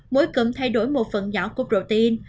mỗi cụm thay đổi một phần nhỏ của protein